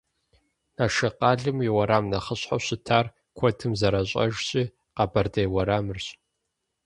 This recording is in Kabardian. Налшык къалэм и уэрам нэхъыщхьэу щытар, куэдым зэращӏэжщи, Къэбэрдей уэрамырщ.